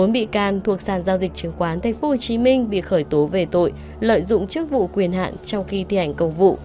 bốn bị can thuộc sàn giao dịch chứng khoán tp hcm bị khởi tố về tội lợi dụng chức vụ quyền hạn trong khi thi hành công vụ